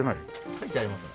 書いてあります。